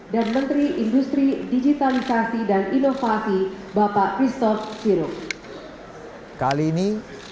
dan menteri industri digitalisasi dan inovasi bapak kristof siruk kali ini